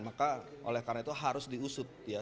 maka oleh karena itu harus diusut ya